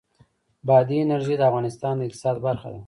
بادي انرژي د افغانستان د اقتصاد برخه ده.